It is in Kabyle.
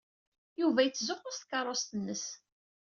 Yuba yettzuxxu s tkeṛṛust-nnes.